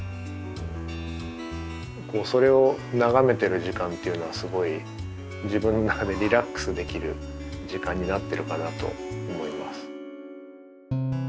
それを眺めてる時間っていうのはすごい自分の中でリラックスできる時間になってるかなと思います。